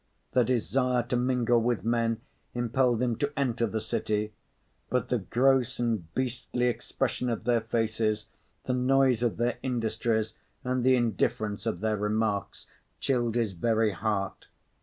The desire to mingle with men impelled him to enter the city. But the gross and beastly expression of their faces, the noise of their industries and the indifference of their remarks, chilled his very heart.